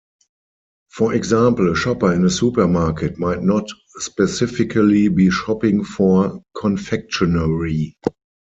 For example, a shopper in a supermarket might not specifically be shopping for confectionery.